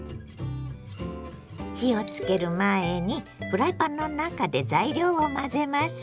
火をつける前にフライパンの中で材料を混ぜます。